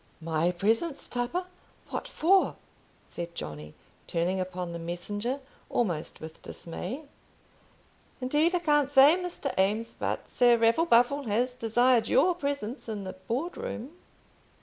"My presence, Tupper! what for?" said Johnny, turning upon the messenger almost with dismay. "Indeed I can't say, Mr. Eames; but Sir Raffle Buffle has desired your presence in the Board room."